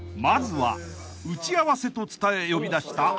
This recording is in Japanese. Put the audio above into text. ［まずは打ち合わせと伝え呼び出した］